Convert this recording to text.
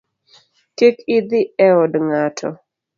Kik idhi e od ng’ato